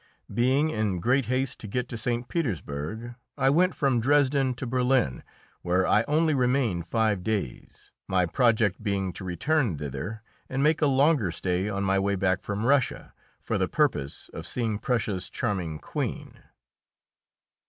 Being in great haste to get to St. Petersburg, I went from Dresden to Berlin, where I only remained five days, my project being to return thither and make a longer stay on my way back from Russia, for the purpose of seeing Prussia's charming Queen.